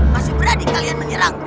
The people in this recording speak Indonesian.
masih berani kalian menyerangku